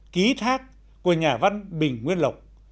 ký thác của nhà văn bình nguyên lộc